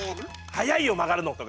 「早いよ曲がるの！」とか。